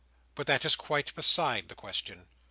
But that is quite beside the question.